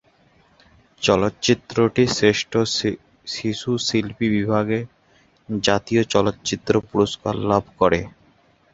চলচ্চিত্রটি শ্রেষ্ঠ শিশুশিল্পী বিভাগে জাতীয় চলচ্চিত্র পুরস্কার লাভ করে।